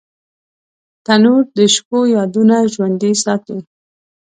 تنور د شپو یادونه ژوندۍ ساتي